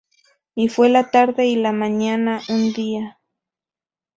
Y fue la tarde y la mañana un día.